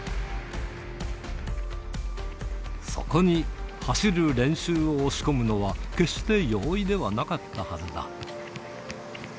そこに走る練習を押し込むのは、決して容易ではなかったはずだ。